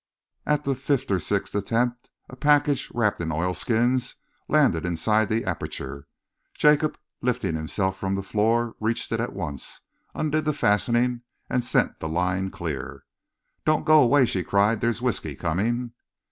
At the fifth or sixth attempt, a package, wrapped in oilskins, landed inside the aperture. Jacob, lifting himself from the floor, reached it at once, undid the fastening, and sent the line clear. "Don't go away," she cried. "There's whisky coming."